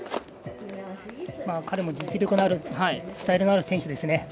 彼も実力のある選手ですね。